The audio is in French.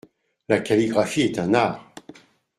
La calligraphie est un art !